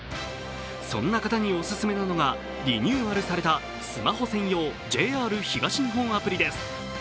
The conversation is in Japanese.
そんな方にオススメなのがリニューアルされたスマホ専用ＪＲ東日本アプリです。